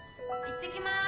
いってきます。